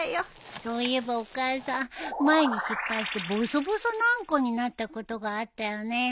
そういえばお母さん前に失敗してボソボソのあんこになったことがあったよね。